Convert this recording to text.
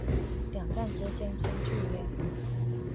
两站之间相距约。